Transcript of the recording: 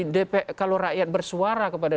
dp kalau rakyat bersuara kepada